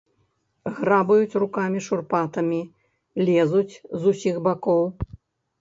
Грабаюць рукамі шурпатымі, лезуць з усіх бакоў.